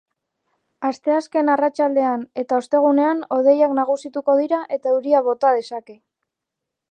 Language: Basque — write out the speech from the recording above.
Asteazken arratsaldean eta ostegunean hodeiak nagusituko dira eta euria bota dezake.